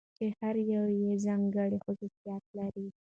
چې هره يوه يې ځانګړى خصوصيات لري .